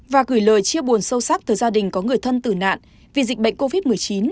và gửi lời chia buồn sâu sắc tới gia đình có người thân tử nạn vì dịch bệnh covid một mươi chín